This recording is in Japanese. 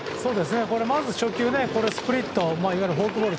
まず初球はスプリットいわゆるフォークボール。